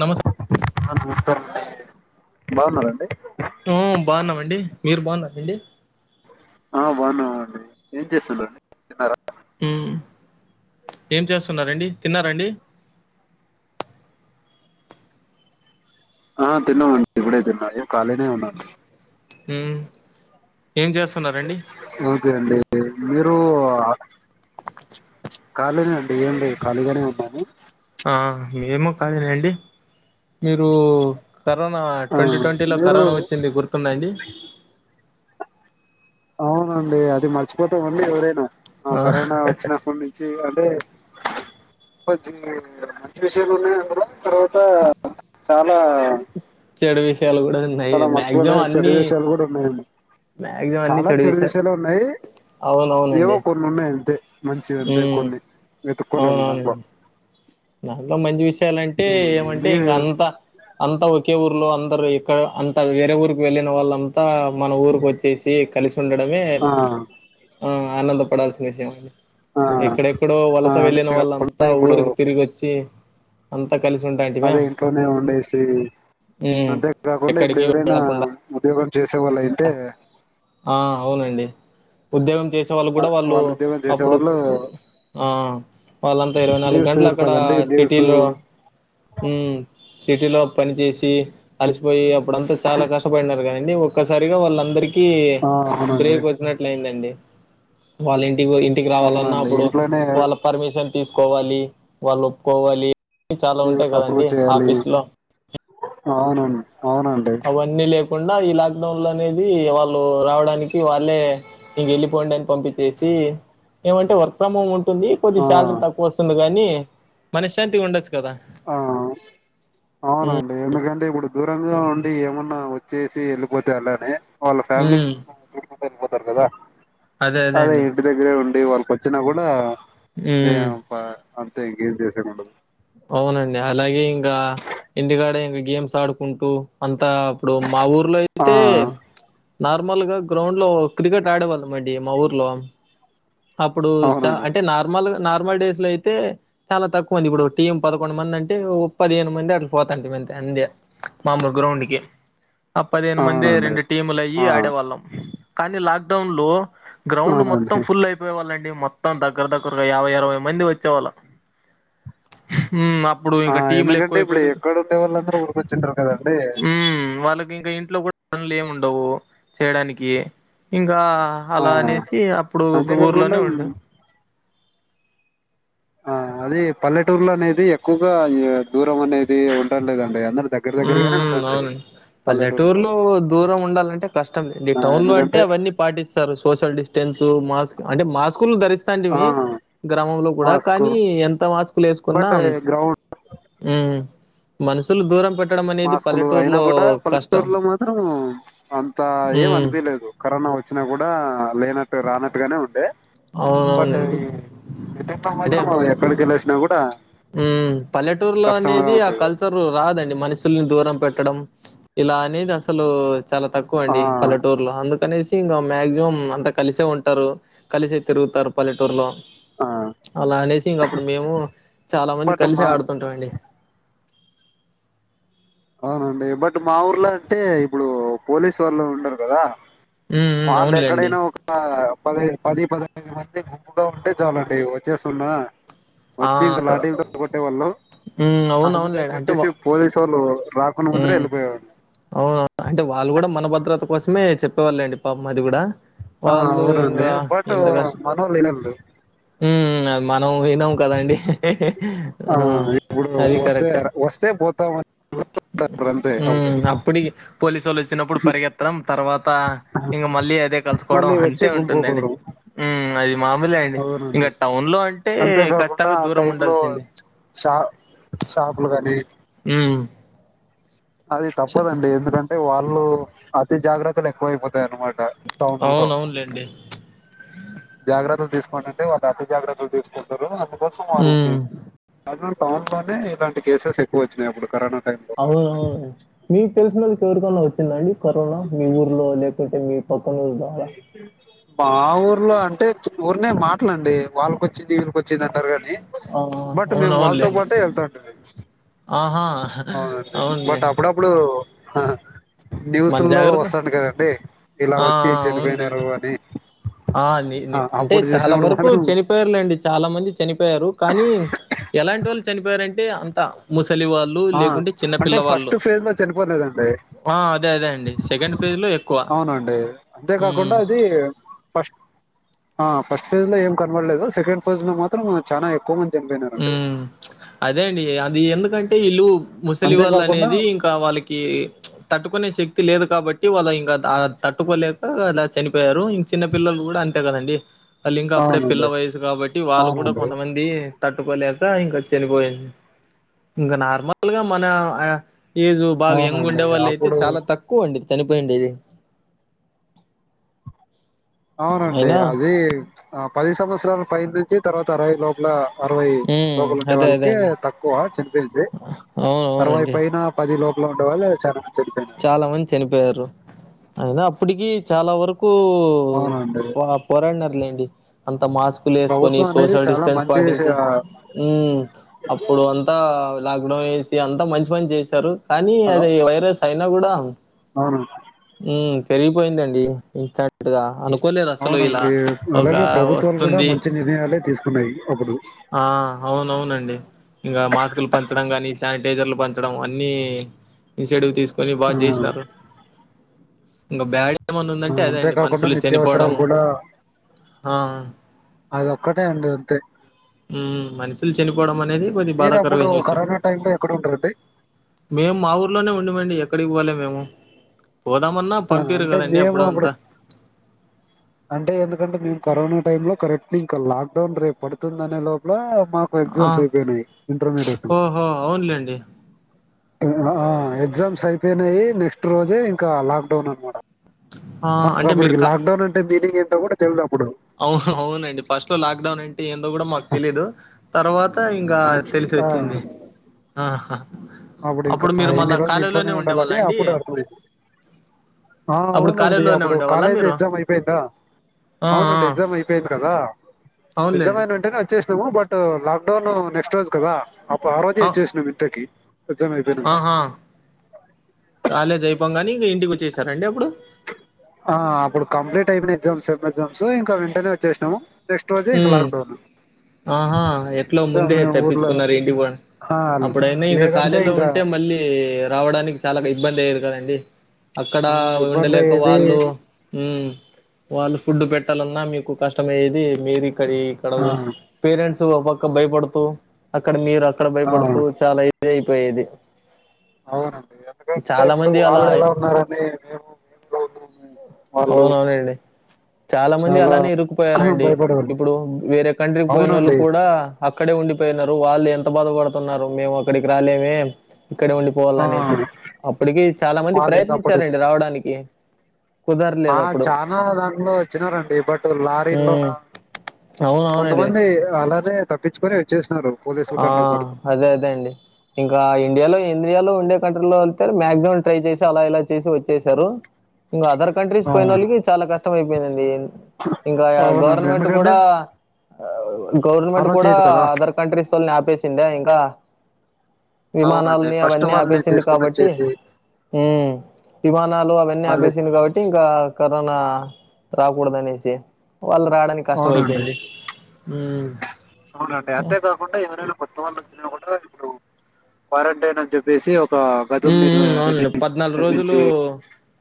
నమస్ అ నమస్కారమండి బాగున్నారా అండి మ్మ్ బాన్నమండి మీరు బాగున్నారండి ఆ బాగున్నామండి ఏం చేస్తున్నారు తిన్నారా మ్మ్ ఏం చేస్తున్నారండి తిన్నార అండి ఆ తిన్నామండి ఇప్పుడే తిన్నా ఖాళీనే ఉన్నా హ్మ్ ఏం చేస్తున్నారండి ఓకే అండి మీరు ఖాళీ నే అండి ఏం లేదు ఖాళీగానే ఉన్నాను ఆ మేమో ఖాళీ లేండి మీరు కరోనా ఆ ట్వంటీ ట్వంటీ లో మీరు కరోనా వచ్చింది గుర్తుంద అండి అవునండి అది మర్చిపోతామా అండి ఎవరైనా ఆ కరోనా వచ్చినప్పటి నుంచి అంటే మంచిదే విషయాలు ఉన్నాయి అందులో తర్వాత త చా నా చెడువి చాలా మర్చిపోలేనీ చెడు విషయాలు కూడా ఉన్నాయండి చాలా చెడు విషయాలు ఉన్నాయి ఏవో అవునవునండి కొన్ని ఉన్నాయి అంతే మంచిది అంతే ఉమ్ కొన్ని వెతుక్కోలేం దాంట్లో అవునవునండి దాంట్లో మంచి విషయాలంటే ఏమంటే మీరు ఇంకా అంత అంతా ఒకే ఊర్లో అందరూ ఇక్కడ అంతా వేరే ఊరికి వెళ్ళిన వాళ్ళంతా మన ఊరికి వచ్చేసి కలిసి ఉండడమే ఆ ఆ ఆనందపడాల్సిన విషయం ఆ ఎక్కడెక్కడో ఆ వలస వెళ్ళిన వాళ్ళంతా అంతేకాకుండా ఇప్పుడు ఊరికి చే అం అదే ఇంట్లోనే ఉండేసి ఉమ్ అంతేకాకుండా ఇప్పుడు ఎక్కడికి ఎవరైనా వెళ్ళకుండా ఉద్యోగం చేసేవాళ్ళ అయితే ఆ అవునండి ఉద్యోగం చేసే వాళ్ళు కూడా వాళ్ళు ఉద్యోగం చేసే అప్పుడు వాళ్ళు వాళ్ళంతా ఇరవై నాలుగు లీవ్స్ గంటలు ఇవ్వరు అక్కడ కదండి లీవ్స్ సిటీలో ఉమ్ సిటీలో పని చేసి అలసిపోయి ఇప్పుడంతా చాలా కష్టపడినారు కానీ నీ ఒక్కసారిగా వాళ్ళందరికి కి ఆ అవునండి బ్రేక్ వచ్చినట్లయిందండి వాళ్ళింట్లో ఇంటికి రావాలన్న అవునండి అప్పుడు ఇంట్లోనే వాళ్ళ పర్మిషన్ తీసుకోవాలి వాళ్ళు ఒప్పుకోవాలి చాలా ఉంటాయి లీవ్స్ కదండి ఆఫీసులో అవునను అవునండి కుండా ఈ లాక్డౌన్ లో అనేది వాళ్ళు రావడానికి వాళ్ళే ఇంక వెళ్ళిపోయిడి అని పంపించేసి ఏమంటే వర్క్ ఫ్రమ్ హోమ్ స్తుంది కొంచెం ఆ శాలరీ తక్కువ వస్తుంది గాని మనశ్శాంతిగా ఉండచ్చు ఆ హ్మ్. అవునండి ఎందుకంటే ఇప్పుడు ఇప్పుడు దూరంగా ఉండి ఏమన్నా వచ్చేసి వెళ్ళిపోతే అలానే వాళ్ళ ఫ్యామిలీ హ్మ్. చూ పోతారు కదా అదే ఇంటి దగ్గరే ఉ అంటే వాళ్ళకి వచ్చినా కూడా ఆ అంత ఇంగేం తీస ఉండదు అవునండి అలాగే ఇంకా ఇంటికాడ ఇంకా గేమ్స్ ఆడుకుంటూ అంత అ అప్పుడు మా ఊర్లో ఆ అయితే నార్మల్గా గ్రౌండ్ లో క్రికెట్ ఆడేవాల్లాం అండి మా ఊర్లో అప్పుడు చ అవునండి అంటే నార్మల్ గా నార్ నార్మల్ డేస్ లో అయితే చాలా తక్కువ అండి ఇప్పుడు టీం పదకొండు మంది అంటే పదిహేను మంది అట్లు పోతంటి మంతె అందే మామూలు గ్రౌండ్ కి పదిహేను మంది అవునండి రెండు టీములు అయ్యి ఆ ఆడేవాళ్ళం కానీ లాక్డౌన్ లో గ్రౌండ్ మొత్తం అవునండి ఫుల్ అయిపోయే వాళ్ళండి మేం మొత్తం దగ్గర దగ్గరగా యాభై అరవై మంది వచ్చేవాళ్ళు ఊ మాప్ ఆ ఎందుకంటే ఇప్పుడు ఎక్కడ ఉండే వాళ్ళందరూ ఊరికొచ్చింటారు కదండి ట్లో గూడ పనులు ఏముండవు చేయడానికి ఇం ఇంకా ఆ అలా అనేసి అప్పుడు ఒక అంతేకాకుండా ఊర్లోనే మ్, ఉండు ఆ అది పల్లెటూర్లో అనేది ఎక్కువగా దూరం అనేది ఉండంలేదండి అందరు దగ్గర ఊ దగ్గరగానే ఊ ఉంటుండ్రి అవునం పల్లెటూరులో దూరం ఉండాలంటే కష్టం లేండి ఆ టౌన్ లో అంటే ఎందుకంటే అవన్నీ పాటిస్తారు సోషల్ డిస్ టెన్స్ మాస్ అంటే మాస్కులు దరిస్ ఆ తాంటిమి గ్రామంలో కూడా మాస్క్ కానీ ఎంత మాస్కులు వేసుకున్నా బట్ గ్రౌండ్ మనసులు దూరం పెట్ మాస్కులు అయినా గూడా పల్లెటూరులో మాత్రం అంత ఏం ఉమ్ అనిపియాలేదు కరోనా వచ్చినా కూడా లేనట్టు రానట్టుగానే ఉండే బట్ అవునవునండి ఈ సిటి లో మాత్రం ఎక్కడికి వెళ్ళసినా గూడా ఉ పల్లెటూరులో అనేది ఆ కల్చర్ రా దండి మనుషుల్ని దూరం పెట్టడం ఇలా అనేది అసలూ చాలా తక్కువ ఆ అండి పల్లెటూర్లో అందుకనేసి ఇంకా మ్యాక్సిమం అంతా కలిసే ఉంటారు కలిసే తిరుగుతారు పల్లెటూరులో ఆ అలా అనేసి ఇంగ అప్పుడు మేము చాలా మంది బట్ కలిసె మా ఆడుతుంటా అండి అవునండి బట్ మా ఊర్లో అంటే ఇప్పుడు పోలీసు వాళ్ళు ఉండరు గదా హ్మ్. హ్మ్. వాళ్ళు అవునులెండి. ఎక్కడైనా ఒక పది పది పదఐదు మంది గుప్పుగా ఉంటే చాలండి వచ్చే సన్నా ఆ! వచ్చి ఇంక లాటీలతో కొట్టే వాళ్ళు హ్మ్. అందుకని అవునవునులేండి. అంటే చెప్పేసి వా పోలీసు వాళ్ళు రాకున్న ముదరే వెళ్ళిపోయేవాన్ని అవునా అంటే వాళ్ళు కూడా మన భద్రత కూ కోసమే చెప్పేవాళ్ళండి పాప మాది కూడా ఆ అవురండి బట్ మనోల్ ఇనదు హ్మ్ అది మనం వీనం కదండీ ఆ ఇప్పుడు అది వస్తే కరెక్ట్ వస్తే పోతామన్నారు అంతే అప్పుడు అప్పుడి పోలీసు వాళ్ళు వచ్చినప్పుడు పరిగెత్తడం తర్వాత ఇంక మళ్ళీ అదే కలుసుకోవడం మళ్ళీ వచ్చి అంతే ఉంటుందండి గుంపుకూడదు అది మామూలే అండి ఇంక అవునండి టౌన్ లో అంటే అంతేకాకుండా ఖచ్చితంగా దూరం టైంలో ఉండాల్సిందే షా షాపులు కానీ అ అది తప్పదండి ఎందుకంటే వాళ్ళు అతి జాగ్రత్తలు ఎక్కువపోతే తే అనమాట టౌన్ లో ఆ జాగ్రత్తలు తీసుకోండి అంటే వాళ్ళ అతి జాగ్రత్తలు తీసుకుంటారు కోసం ఆగుద్ది హ్మ్ అడ్డరోడ్ టౌన్ లోనే ఇలాంటి కేసెస్ ఎక్కువ వచ్చినాయి అప్పుడు కరోనా టైమ్ లో అవును మీకు తెలిసినోళ్ళకి ఎవరికి ఫ్లోలో వచ్చిందండి కరోనా మీ ఊర్లో లేకపోతే మీ [unintelligible] మా ఊర్లో అంటే ఊరినే మాటలు అండి వాళ్లకొచ్ చ్చి ఈగల్ కి వచ్చింది అన్నారు కానీ ఆ బట్ మేము వాళ్ళతో అవునవునులేండి పాటే వెళ్తా ఉం ఆహా అవునండి బట్ అవునులేండి అప్పుడప్పుడు ఆహా న్యూస్ మన లో జాగ్రత్త వస్తాండు కదండి ఇలా ఆ వచ్చి ఆ అవునులేండి చనిపోయినారు అని ఆ నీ నీ ఆ అంటే అప్పుడు చాలా చూసినప్పుడు వరకు మాత్రం చనిపోయారులేండి చాలా మంది చనిపోయారు కానీ ఎలాంటోళ్లు చనిపోయారంటే అంత ముస ఆ అంటే ఫస్ట్ ఫేజ్ లో చనిపోనదండి ఆ అదే అదే అండి సెకండ్ ఫేజ్ లో ఎక్కువ అవునండి అంతేకాకుండా ఉమ్ అది ఫస్ట్ ఆ ఫస్ట్ ఫేజ్ లో ఏం కనపడలేదు సెకండ్ ఫేజ్ లో మాత్రం చాలా ఎక్కువ మంది చనిపోయినారండి ఉమ్ అదేండి అది ఎందుకు కంటే ఇల్లు ముసలివాళ్ళు అంతేకాకుండా అనేది ఇంకా వాళ్ళకి తట్టుకు కొన్ని శక్తి లేదు కాబట్టి వాళ్ళు ఇంకా తట్టుకోలేక ఇలా చనిపోయారు ఇంక చిన్న పిల్లలు కూడా అంతే కదండి అళ ఇంకా అప్పుడే పిల్ల అవునండి వయసు కాబట్టి వాళ్ళు కూడా అవునండి కొంతమంది తట్టుకోలేక ఇంకా చనిపోయింది ఇంకా నార్మల్గా మన ఏజు బాగా యంగ్ అవునండి ఉండేవాళ్ళు అయితే అప్పుడు చాలా తక్కువండి తనపో ఉండది అవునండి అది ఆ పది సంవత్సరాల పైన నుంచి తర్వాత అరవై లోపల అరవై హ్మ్. లోపల ఉండే అదే అదే వాళ్ళకి అండి. తక్కువ చనిపోయింది అరవై అవునవునండి. పైన పది లోకల డు వల్ చాల చాలా మంది చనిపోయారు అయినా అప్పటికి చాలా వరకు అవునండి కు పోరాడిన లేండి అంత అంత మాస్క్లు వేసుకొని ప్రభుత్వం అనేది సోషల్ చాలా డిస్టెన్స్ మంచి పాటించి చే- ఆ, అప్పుడు అంతా లాక్డౌన్ వేసి అంతా మంచి మని చేశారు అనీ హలో అది వైరస్ ఐనా కూడాడ అవును పెరిగిపోయిందండి ఇంట్గా అను అవునండి అలాగే ప్రభుత్వాలు కూడా వస్తుంది మంచి నిర్ణయాలే తీసుకు అప్పుడు ఆ అవునవునండి ఇంకా మాస్కులు పంచడంగాని శాని జర్లు పంచడము అన్ని ఇన్వ్ తీ కొన్ని ఆ బాగా చేసినారు బ్యా అంతే కాకుండా నిత్యావసరాలు కూడా ఆ అది ఒక్కటే అండి అంతే మనుషులు చనిపోవడం అనేది కొద్ది మీరు అప్పుడు బాధాకరమైనా విషయం కరోనా టైమ్ లో ఎక్కడ ఉంటారండి మేము మా ఊర్లోనే ఉండమండి ఎక్కడికి పోలే మేము పోదామన్నా ఆ, పంపరు అంటే కదండి మేము అప్పుడు అప్పుడంతా అంటే ఎందుకంటే మేము కరోనా టైమ్ లో కరెక్ట్ ఇంకా లాక్డౌన్ రేపు పడుతుందినే లోపల మాకు ఆ ఎక్సామ్స్ అయ్యిపోయాయ్ ఇంటర్మీడియట్ ఓహో అవునులేండి ఎగ్జామ్స్ అయిపోయినాయి నెక్స్ట్ రోజే ఇంకా లాక్డౌన్ అనమాట ఆ మాకు అంటే మీరు అప్పటికి లాక్ డౌన్ అ ఫీలింగ్ ఏంటో కూడా తెలదు అప్పుడు అవు అవునండి ఫస్ట్ లో లాక్డౌన్ అండి ఏందో కూడా మాకు తెలిదు తర్వాత ఇంకా తెలిసి ఆ వచ్చింది ఆహా అప్పుడు ఇంకా మీరు ఎన్ని మళ్ళా రోజులు ఇంట్లోనే కాలేజీలోనే ఉండేవాళ్ళ ఉండాలని అండి అప్పుడుే అర్థమైంది ఆ అప్పుడు అవునండి కాలేజీలోనే అప్పుడు ఉండేవాళ్ళ కాలేజ్ మీరు ఎగ్జామ్ అయిపోయిందా ఆ ఆ అవునండి ఎగ్జామ్ అయిపోయింది కదా ఎగ్జామ్ అవునులేండి అయిన వెంటేనే వచ్చే బట్ లాక్ డౌన్ నెక్స్ట్ రోజ్ కదా అప్పుడు ఆ రోజే ఇచ్చేసిన విద్దకి ఆహా కాలేజైపోంగానే ఇగా ఇంటికి వచ్చేసి సర అండి అప్పుడు ఆ అప్పుడు కంప్లీట్ అయిపోయిన ఎగ్జామ్స్ సేమ్ ఎగ్జామ్స్ ఇంకా వెంటనే వచ్చేసినాము నెక్స్ట్ రోజే హ ఇంకా లాక్‌డౌన్. ఆహా ఎట్లా ఇంకా ముందే మేము ఊర్లో తప్పించుకున్నారు ఇంటికి పో అని ఆ! అప్పుడైనా ఇంకా లేదంటే కాలేజ్ లో ఇంకా ఉంటే మళ్ళీ రావడానికి చాలా ఇబ్బంది అయ్యేది కదండి అక్కడ ఆ! ఇబ్బంది ఉండలేక అయ్యేది. వాళ్ళు హుమ్మ్ వాళ్ళు ఫుడ్ పెట్టాలన్నా మీకు కష్టమయ్యేది మేరి కడి కడ ఆ! పేరెంట్స్ పక్క భయపడుతూ అక్కడ మీరు అక్కడ ఆ! భయపడుతూ చాలా దయి పోయేది అవునండి ఎందుకంటే ఇప్పుడు అలా వాళ్ళు ఎలా ఉన్నారని మేము మేము ఎలా ఉన్నా వాళ్ళు అవునవునండి. మంది చాలా అలానే ఇరుక్కుపోయారండి. భయపడ ఇప్పుడు వేరే కంట్రీకి పోయిన వాళ్ళు కూడా అక్కడే ఉండిపోయిన వాళ్ళు ఎంత బాధపడుతున్నారు మేము అక్కడికి రాలేమే ఇక్కడ ఉండిపోవాల ఆ! అనేసి అప్పటికి చాలా మంది వాళ్ళు ఇంకా అప్పుడు ప్రయత్నించారండి వచ్చి- రావడానికి ఆ కుదరలేదు అప్పుడు. చాలా దాంట్లో వచ్చినారండి బట్ లారీల్లో హ్మ్. అవునవునండి. కొంతమంది అలానేే తప్పించుకుొని వచ్చేసినన్నారు ఆ అదే అదే అండి ఇంకా ఇండియాలో ఇండియాలో ఉండే కంట్రీలో వెళ్తేారు మాక్సిమం ట్రై చేసి అలా ఇలా చేసి వచ్చేసారు ఇంకా అదర్ కంట్రీస్ ఆ పోయిన వాళ్ళకి చాల కష్టం అపోయిందండి ఇంకా అవునండి గవర్నమెంట్ ఎందుకంటే కూడా ఆ గవర్నమెంట్ అలో కూడా చేయదు కదా ఆధార్ [unintelligible] అపేసిందా ఇంకా అవునండి విమానాలని ఫస్ట్ అవన్నీ వాళ్ళని ఆపేసింది తీసుకొని కాబట్టి వచ్చేసి హు విమానాలు అవన్నీ వాళ్ళకి ఆపేసింది కాబట్టి ఇంకా కరోనా రాకూడదు అనేసి వాళ్ళు రాడానికి కష్టం అవునండి అయిపోయింది హు అవునండి అంతే కాకుండా ఎవరైనా కొత్త వాళ్ళు వచ్చినా కూడా ఇప్పుడు క్వారంటైన్ అని చెప్పేసి ఒక ఉ గదులు నిర్మి నిర్మి అవునండి పద్నాలుగు రోజులు నిర్మించి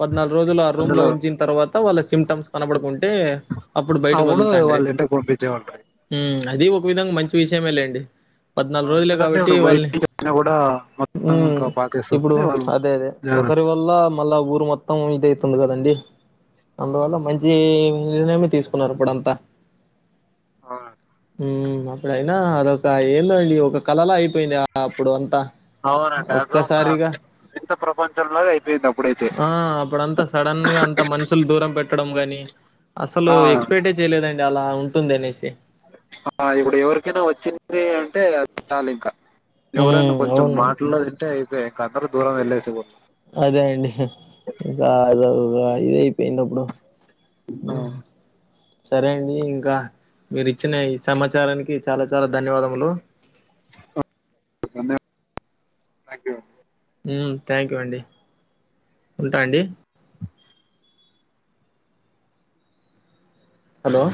పద్నాలుగు రోజులు ఆ రూమ్ లో అందులో ఉంచిన తర్వాత వాళ్ళ సిమ్టమ్స్ కనబడుకుంటే అప్పుడు బయటకి వదులుతాండ్రి వాళ్ళ ఇంటికి పంపించేవాళ్ళండి అది ఒక విధంగా మంచి విషయమే లేండి పద్నాలుగు రోజులే ఎందుకంటే కాబట్టి ఇప్పుడు వాళ్ళని బయటి నుంచి కూడా మొత్తం ఇంకా పాకేస్తుంది ఆప్పుడు వాళ్ళు అదే అదే జాగ్రత్త ఒకరి వల్ల మళ్ళా ఊరు మొత్తం దే అయతుంది కదండి అందువల్ల మంచి మీరు ఏమి తీసుకున్నారు ఇప్పుడంతా ఆ ఊ అప్పుడయినా అదొక ఏంద అండి ఒక కలలా అయిపోయింది అప్పుడు అంతా అవునంంట అగో సారీగా అయిపోయింది అప్పుడైతే ఆ అప్పుడంతా సడన్ గా అంత మనుషులు దూరం పెట్టడం కాగానీ అసలు ఆ ఎక్స్పెక్టే చేయలేదండి. అలా ఉంటుంది అనేసి ఆ ఇప్పుడు ఎవరికైనా వచ్చింది అంటే చాలు ఇంకా ఉమ్ ఎవరైనా కొంచెం అవును మాట్లాడడితే అయి [unintelligible] దూరం వెళ్లేసి పోతుంది అదే అయింది [unintelligible] ఇదే అయిపోయింది అప్పుడు ఆ! ఊ సరే అండి ఇంకా మీరు ఇచ్చిన ఈ సమాచారానికి చాలా చాలా ధన్యవాదములు ధన్యవా థ్యాంక్ యూ అండి ఊ థ్యాంక్ యూ అండి ఉంటా అండి హలో